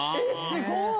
すごい！